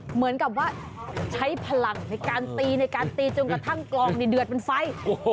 เหมือนกับว่าใช้พลังในการตีในการตีจนกระทั่งกลองนี่เดือดเป็นไฟ